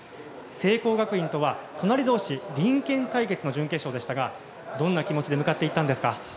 聖光学院とは隣同士隣県対決の準決勝でしたがどんな気持ちで向かっていったんですか。